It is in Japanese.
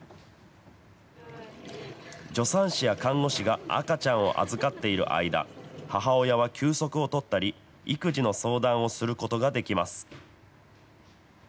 助産師や看護師が赤ちゃんを預かっている間、母親は休息を取ったり、育児の相談をすることができます。